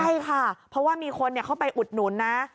ใช่ค่ะเพราะว่ามีคนเข้าไปอุดหนุนนะ